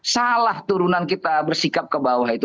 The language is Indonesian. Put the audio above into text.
salah turunan kita bersikap ke bawah itu